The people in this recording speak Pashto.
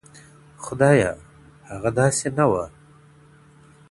• خدايه هغه داسي نه وه.